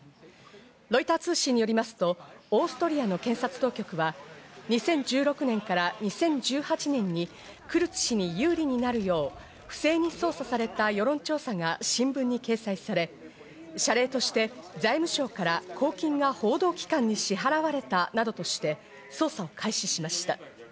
ロイター通信によりますとオーストリアの検察当局は、２０１６年から２０１８年にクルツ氏に有利になるよう、不正に操作された世論調査が新聞に掲載され、謝礼として財務省から公金が報道機関に支払われたなどとして、捜査を開始しました。